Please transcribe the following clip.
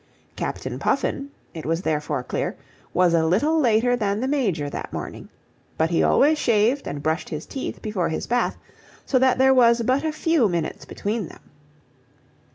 Captain Puffin, it was therefore clear, was a little later than the Major that morning. But he always shaved and brushed his teeth before his bath, so that there was but a few minutes between them.